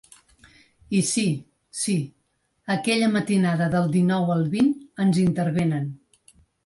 I sí, sí, aquella matinada del dinou al vint ens intervenen.